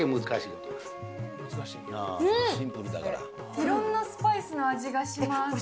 いろんなスパイスの味がします。